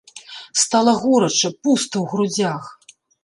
Стала горача, пуста ў грудзях.